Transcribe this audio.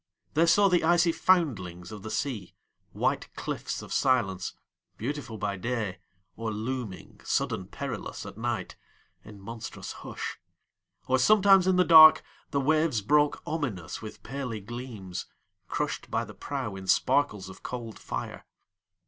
They saw the icy foundlings of the sea, White cliffs of silence, beautiful by day, Or looming, sudden perilous, at nightIn monstrous hush; or sometimes in the darkThe waves broke ominous with paly gleamsCrushed by the prow in sparkles of cold fire.